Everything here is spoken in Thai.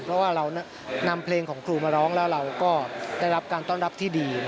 เพราะว่าเรานำเพลงของครูมาร้องแล้วเราก็ได้รับการต้อนรับที่ดี